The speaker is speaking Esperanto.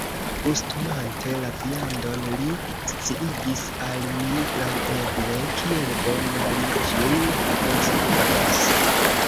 Gustumante la viandon, li sciigis al mi laŭeble, kiel bona li ĝin konsideras.